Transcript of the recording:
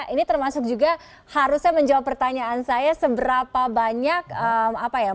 ini termasuk juga harusnya menjawab pertanyaan saya seberapa banyak apa ya mungkin masakan indonesia yang bisa didapat di sana